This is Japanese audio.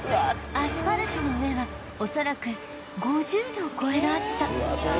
アスファルトの上は恐らく５０度を超える暑さ